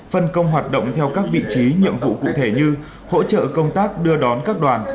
phân công hoạt động theo các vị trí nhiệm vụ cụ thể như hỗ trợ công tác đưa đón các đoàn